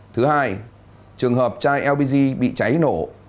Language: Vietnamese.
thứ hai trường hợp chai lpg bị cháy nổ